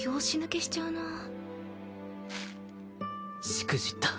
しくじった。